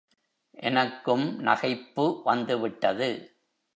எனக்கும் நகைப்பு வந்துவிட்டது.